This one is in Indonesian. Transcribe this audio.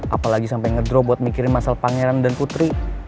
apalagi sampai ngedro buat mikirin masalah pangeran dan putri